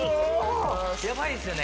ヤバいですよね。